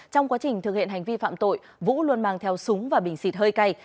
trong quá trình thực hiện hành vi phạm tội vũ luôn mang theo súng và bình xịt hơi cay